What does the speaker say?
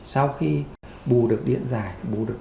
sau khi bù được điện giải bù được